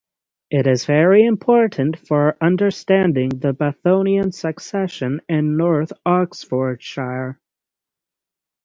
It is very important for understanding the Bathonian succession in north Oxfordshire.